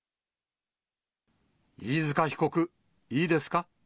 飯塚被告、いいですか。